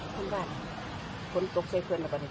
ท่านบ้านผมโตกใส่เฟรินกกระเหนือ